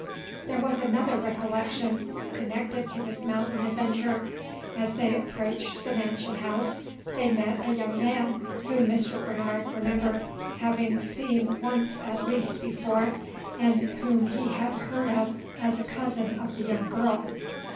There was another recollection connected with this mountain adventure. As they approached the mansion house, they met a young man, whom Mr. Bernard remembered having seen once at least before, and whom he had heard of as a cousin of the young girl.